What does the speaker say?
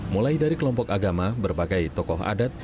mulai dari kelompok agama berbagai tokoh adat